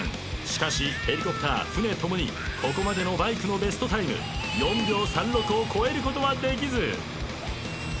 しかしヘリコプター船共にここまでのバイクのベストタイム４秒３６を超えることはできず。